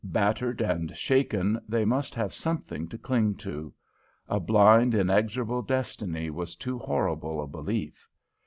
Battered and shaken, they must have something to cling to. A blind, inexorable destiny was too horrible a belief.